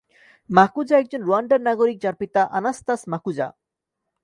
মাকুজা একজন রুয়ান্ডার নাগরিক যার পিতা আনাস্তাস মাকুজা।